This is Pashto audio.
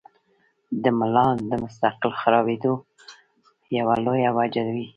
د ملا د مستقل خرابېدو يوه لويه وجه وي -